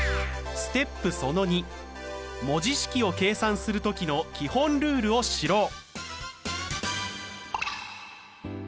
文字式を計算する時の基本ルールを知ろう。